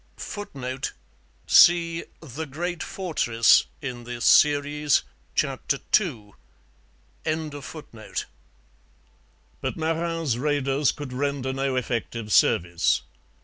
[Footnote: See The Great Fortress in this Series, chap. ii.] But Marin's raiders could render no effective service.